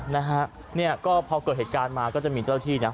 นะฮะเนี่ยก็พอเกิดเหตุการณ์มาก็จะมีเจ้าที่นะ